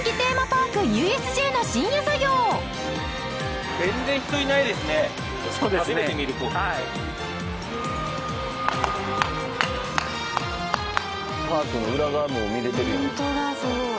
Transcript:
パークの裏側も見れてるやん。